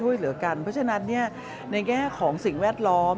เพราะฉะนั้นในแง่ของสิ่งแวดล้อม